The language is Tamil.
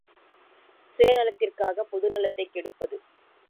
சுயநலத்திற்குப் பொதுநலத்தைக் கெடுப்பது!